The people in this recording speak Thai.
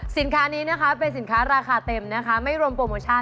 สินค้านี้นะคะเป็นสินค้าราคาเต็มนะคะไม่รวมโปรโมชั่น